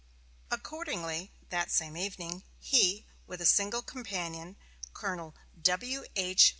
Accordingly, that same evening, he, with a single companion, Colonel W. H.